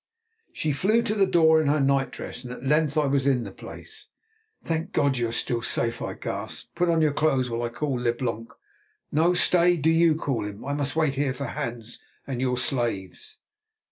She flew to the door in her nightdress, and at length I was in the place. "Thank God! you are still safe," I gasped. "Put on your clothes while I call Leblanc. No, stay, do you call him; I must wait here for Hans and your slaves."